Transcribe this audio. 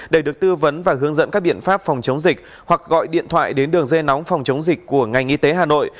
để được tư vấn và hướng dẫn các biện pháp phòng chống dịch hoặc gọi điện thoại đến đường dây nóng phòng chống dịch của ngành y tế hà nội